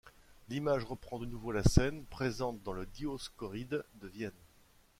L'image reprend de nouveau la scène présente dans le Dioscoride de Vienne.